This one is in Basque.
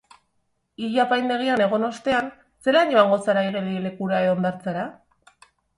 Ile-apaindegian egon ostean, zelan joango zara igerilekura edo hondartzara?